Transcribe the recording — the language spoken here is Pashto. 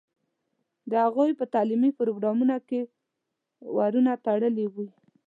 د هغوی په تعلیمي پروګرامونو کې ورونه تړلي وي.